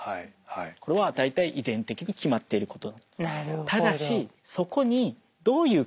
これは大体遺伝的に決まっていること。